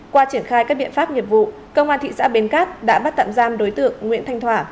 qua triển khai các biện pháp nghiệp vụ công an thị xã bến cát đã bắt tạm giam đối tượng nguyễn thanh thỏa